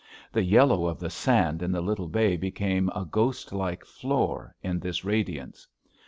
The yellow of the sand in the little bay became a ghost like floor in this radiance.